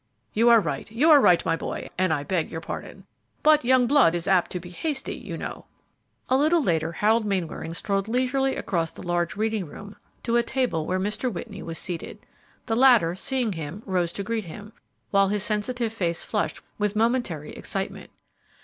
"You are right, you are right, my boy, and I beg your pardon; but young blood is apt to be hasty, you know." A little later Harold Mainwaring strolled leisurely across the large reading room to a table where Mr. Whitney was seated. The latter, seeing him, rose to greet him, while his sensitive face flushed with momentary excitement.